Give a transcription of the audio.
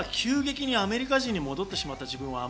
急激にアメリカ人に戻ってしまった自分。